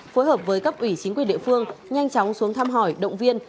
phối hợp với cấp ủy chính quyền địa phương nhanh chóng xuống thăm hỏi động viên